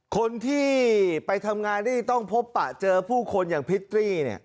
คนที่ไปทำงานที่จะต้องพบปะเจอผู้คนอย่างพิตรี